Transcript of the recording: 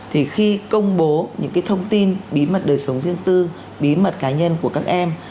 thì khi công bố những cái thông tin bí mật đời sống riêng tư bí mật cá nhân của các em